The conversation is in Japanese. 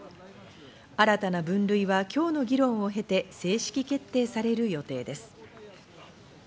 新たな分類は今日の議論を経て、正式決定される予定です。